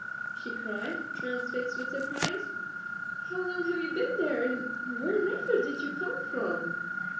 she cried, transfixed with surprise; "how long have you been there, and wherever did you come from?"